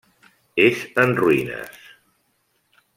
És en ruïnes.